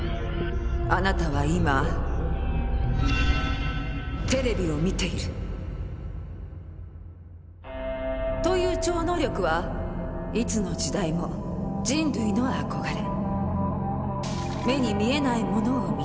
あなたは今テレビを見ている！という超能力はいつの時代も人類の憧れ。